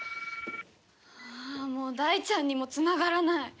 ああもう大ちゃんにもつながらない。